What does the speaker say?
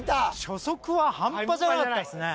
初速は半端じゃなかったですね。